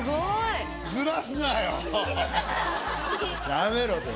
やめろって。